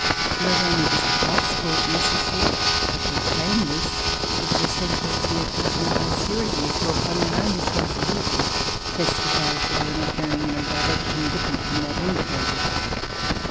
Not only was a passport necessary, but, to obtain this, It was essential to be accompanied by sureties C 137] RECOLLECTIONS OF THE REVOLUTION who, upon their own responsibihty, testified that you were not going in a direction difterent from that indicated.